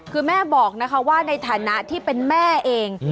คือแม่บอกนะคะว่าในฐานะที่เป็นแม่เอง